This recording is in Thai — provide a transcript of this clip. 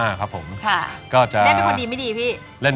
เล่นเป็นคนดีไม่ดี